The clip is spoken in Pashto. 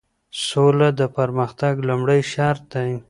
سوله د پرمختګ لومړی شرط دی.